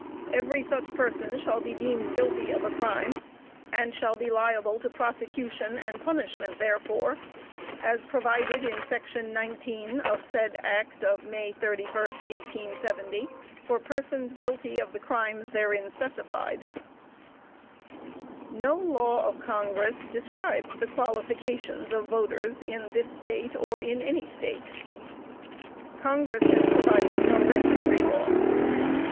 _every such person shall be deemed guilty of a crime, and shall be liable to prosecution and punishment therefor, as provided in section 19 of said Act of May 31, 1870, for persons guilty of the crimes therein specified_." No law of Congress describes the qualifications of voters in this State, or in any State. Congress has provided no registry law.